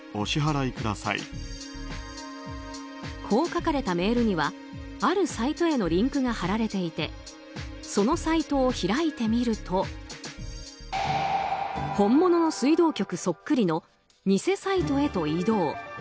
こう書かれたメールにはあるサイトへのリンクが貼られていてそのサイトを開いてみると本物の水道局そっくりの偽サイトへと移動。